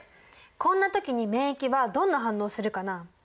こんな時に免疫はどんな反応をするかな？